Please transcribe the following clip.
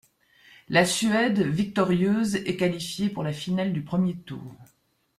La Suède, victorieuse, est qualifiée pour la finale du premier tour.